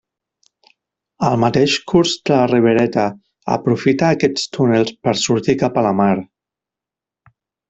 El mateix curs de la Ribereta aprofita aquests túnels per sortir cap a la mar.